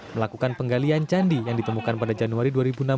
melakukan penggalian candi yang ditemukan pada januari dua ribu enam belas